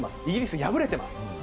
イギリスは敗れています。